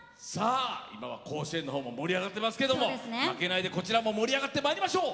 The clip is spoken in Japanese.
今は甲子園の方も盛り上がっていますが負けないでこちらも盛り上がってまいりましょう。